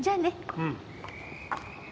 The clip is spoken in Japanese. うん。